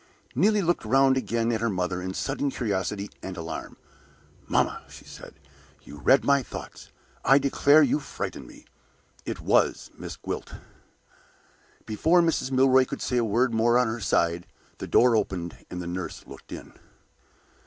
Neelie looked round again at her mother in sudden curiosity and alarm. "Mamma!" she said, "you read my thoughts. I declare you frighten me. It was Miss Gwilt." Before Mrs. Milroy could say a word more on her side, the door opened and the nurse looked in.